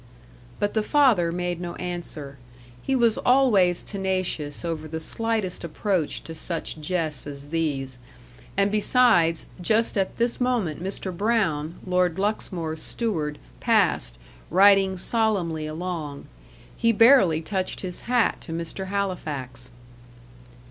But the father made no answer. He was always tenacious over the slightest approach to such jests as these. And besides, just at this moment Mr. Brown, Lord Luxmore's steward, passed riding solemnly along. He barely touched his hat to Mr. Halifax.